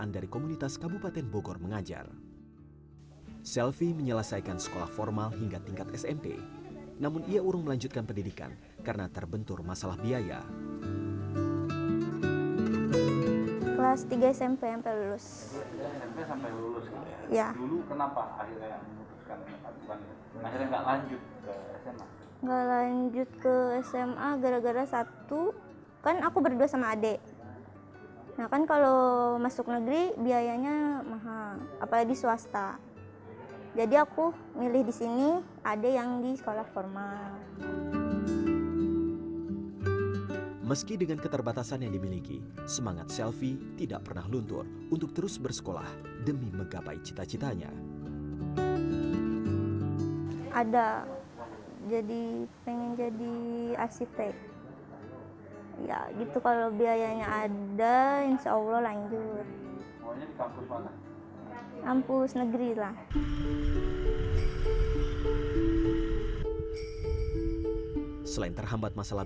dikabupaten bogor mereka tidak menemui sekolah menengah atas